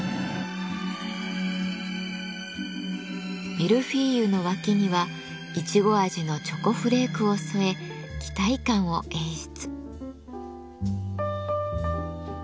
ミルフィーユの脇にはイチゴ味のチョコフレークを添え期待感を演出。